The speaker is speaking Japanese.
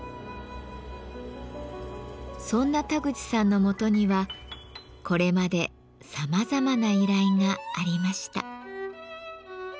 そんな田口さんのもとにはこれまでさまざまな依頼がありました。